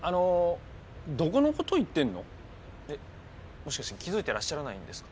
もしかして気付いてらっしゃらないんですか？